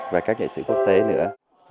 và các nghệ sĩ quốc tế nữa